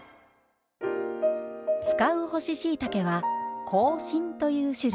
使う干ししいたけは香信という種類。